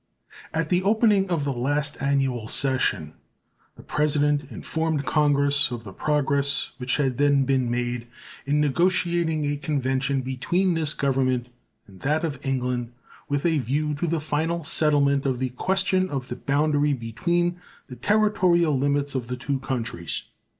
At the opening of the last annual session the President informed Congress of the progress which had then been made in negotiating a convention between this Government and that of England with a view to the final settlement of the question of the boundary between the territorial limits of the two countries.